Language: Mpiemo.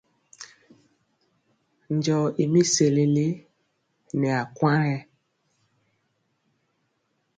Njɔo i mi sesele nɛ akwaŋ yen.